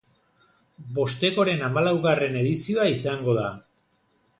Bostekoren hamalaugarren edizioa izango da.